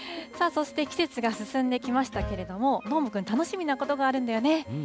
そして、季節が進んできましたけれども、どーもくん、楽しみなことがあるんだよね。